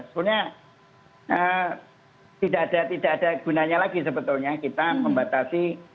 sebenarnya tidak ada gunanya lagi sebetulnya kita membatasi